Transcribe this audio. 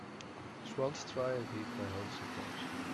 Swans try and eat my home sometimes.